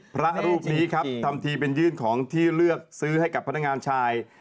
พระรูปนี้ครับทำทีเป็นยื่นของที่เลือกซื้อให้กับพนักงานชาย